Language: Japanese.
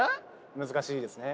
難しいですね。